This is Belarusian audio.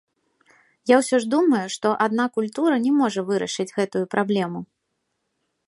Я ўсё ж думаю, што адна культура не можа вырашыць гэтую праблему.